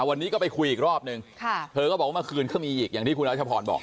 วันนี้ก็ไปคุยอีกรอบนึงเธอก็บอกว่าเมื่อคืนก็มีอีกอย่างที่คุณรัชพรบอก